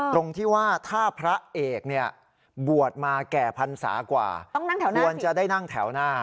ตรงที่ว่าถ้าพระเอกเนี่ยบวชมาแก่พรรษากว่าต้องนั่งแถวหน้าควรจะได้นั่งแถวหน้า